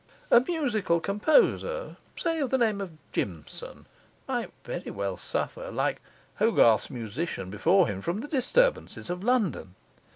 A musical composer (say, of the name of Jimson) might very well suffer, like Hogarth's musician before him, from the disturbances of London.